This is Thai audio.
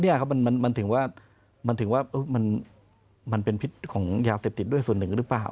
นี่ครับมันถึงว่ามันถึงว่ามันเป็นพิษของยาเสพติดด้วยส่วนหนึ่งหรือเปล่า